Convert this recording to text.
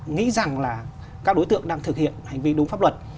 nghĩ rằng là các đối tượng đang thực hiện hành vi đúng pháp luật